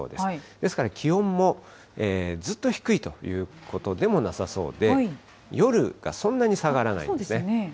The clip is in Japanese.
ですから気温も、ずっと低いということでもなさそうで、夜がそんなに下がらないですね。